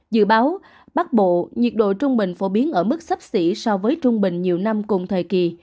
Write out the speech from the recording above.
dự báo bắc bộ nhiệt độ trung bình phổ biến ở mức sấp xỉ so với trung bình nhiều năm cùng thời kỳ